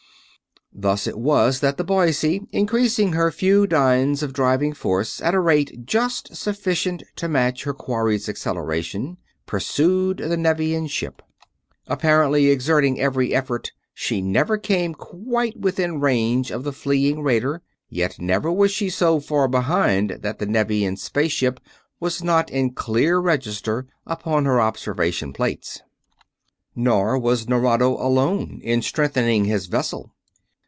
Thus it was that the Boise, increasing her few dynes of driving force at a rate just sufficient to match her quarry's acceleration, pursued the Nevian ship. Apparently exerting every effort, she never came quite within range of the fleeing raider; yet never was she so far behind that the Nevian space ship was not in clear register upon her observation plates. Nor was Nerado alone in strengthening his vessel.